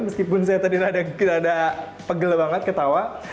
meskipun saya tadi rada pegel banget ketawa